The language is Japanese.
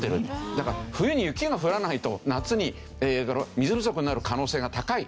だから冬に雪が降らないと夏に水不足になる可能性が高いという事もあるんですけど。